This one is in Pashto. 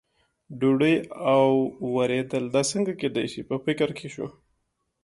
ډوډۍ او ورېدل، دا څنګه کېدای شي، په فکر کې شو.